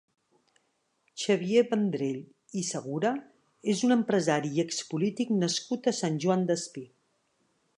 Xavier Vendrell i Segura és un empresari i expolític nascut a Sant Joan Despí.